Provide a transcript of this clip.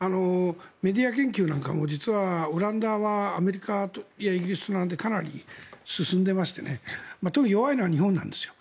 メディア研究なんかも実はオランダはアメリカやイギリスと並んでかなり進んでいまして特に弱いのは日本なんですよ。